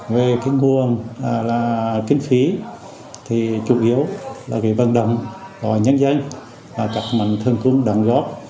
về cái nguồn là kiến phí thì chủ yếu là cái vận động của nhân dân và các mạnh thường quân đồng góp